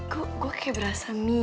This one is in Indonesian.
gue kayak berasa miss